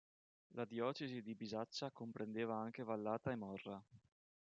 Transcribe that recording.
La Diocesi di Bisaccia comprendeva anche Vallata e Morra.